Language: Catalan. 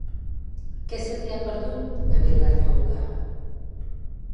Què se t'hi ha perdut, a Vilallonga?